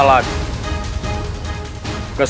ke speech sia harriman